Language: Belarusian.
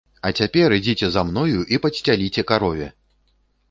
А цяпер ідзіце за мною і падсцяліце карове!